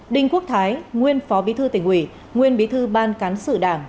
đinh quốc thái nguyên phó bí thư tỉnh ủy nguyên bí thư ban cán sự đảng